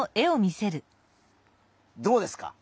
どうですか？